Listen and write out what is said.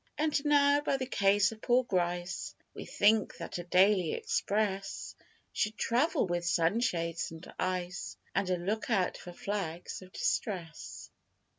And now, by the case of poor Grice, We think that a daily express Should travel with sunshades and ice, And a lookout for flags of distress.